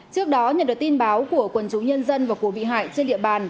trước đó nhận được tin báo của quần chúng nhân dân và của bị hại trên địa bàn